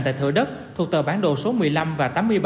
tại thợ đất thuộc tờ bán đồ số một mươi năm và tám mươi bảy